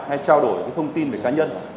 hay trao đổi thông tin về cá nhân